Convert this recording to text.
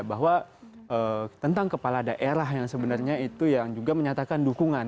bahwa tentang kepala daerah yang sebenarnya itu yang juga menyatakan dukungan